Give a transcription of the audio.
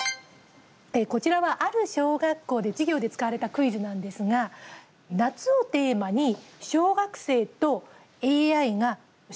こちらは、ある小学校で授業で使われたクイズなんですが「夏」をテーマに小学生とＡＩが詩を書きました。